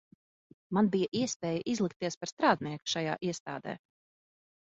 Man bija iespēja izlikties par strādnieku šajā iestādē.